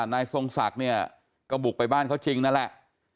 นายทรงศักดิ์เนี่ยก็บุกไปบ้านเขาจริงนั่นแหละ